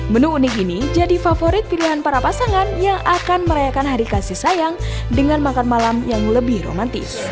menu unik ini jadi favorit pilihan para pasangan yang akan merayakan hari kasih sayang dengan makan malam yang lebih romantis